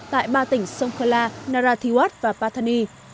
tại ba tỉnh songkhla narathiwat và pathani